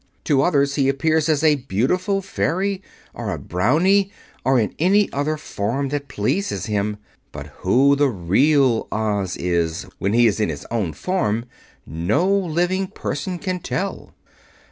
To others he appears as a beautiful fairy, or a brownie, or in any other form that pleases him. But who the real Oz is, when he is in his own form, no living person can tell."